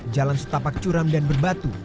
jalan setapak curam dan berbatu